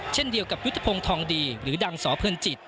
เช่นเดียวกับยุทธพงศ์ทองดีหรือดังสเพลินจิต